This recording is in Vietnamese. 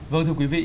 vâng thưa quý vị